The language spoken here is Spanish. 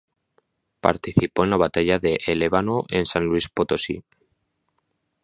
Participó en la Batalla de El Ébano en San Luis Potosí.